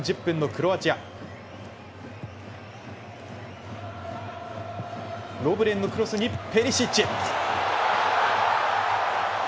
ロブレンのクロスにペリシッチ。